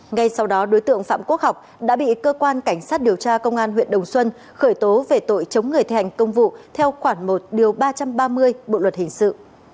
ngay sau đó đối tượng phạm quốc học đã bị cơ quan cảnh sát điều tra công an huyện đồng xuân khởi tố về tội chống người thi hành công vụ theo khoản một điều ba trăm ba mươi bộ luật hình sự